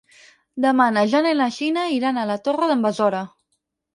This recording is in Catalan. Demà na Jana i na Gina iran a la Torre d'en Besora.